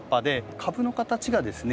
株の形がですね